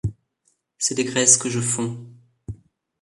C’est des graisses que je fonds…